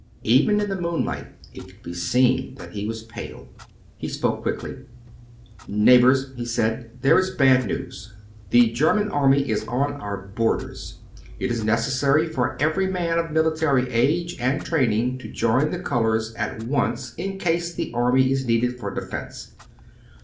Even in the moonlight it could be seen that he was pale. He spoke quickly. "Neighbors," he said, "there is bad news! the German army is on our borders! It is necessary for every man of military age and training to join the colors at once in case the army is needed for defense.